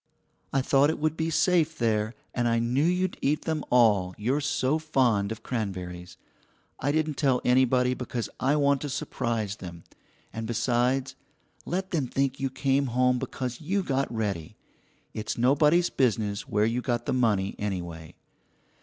I thought it would be safe there, and I knew you'd eat them all, you're so fond of cranberries. I didn't tell anybody because I want to surprise them, and besides, let them think you came home because you got ready. It's nobody's business where you got the money anyway.